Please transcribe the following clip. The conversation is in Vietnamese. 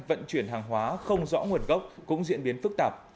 vận chuyển hàng hóa không rõ nguồn gốc cũng diễn biến phức tạp